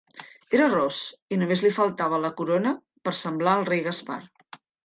Era ros i només li faltava la corona per semblar el rei Gaspar.